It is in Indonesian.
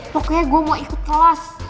pokoknya gue mau ikut kelas